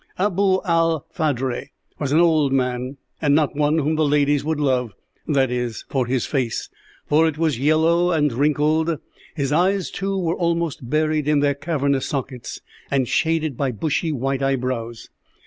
"Abou al Phadre was an old man, and not one whom the ladies would love that is, for his face, for it was yellow and wrinkled; his eyes, too, were almost buried in their cavernous sockets, and shaded by bushy white eyebrows.